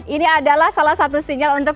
ini adalah salah satu sinyal untuk